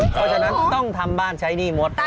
เพราะฉะนั้นต้องทำบ้านใช้หนี้หมด